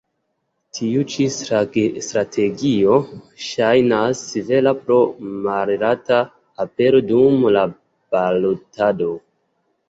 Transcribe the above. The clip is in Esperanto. Tiu ĉi strategio ŝajnas vera pro malalta apero dum la balotado.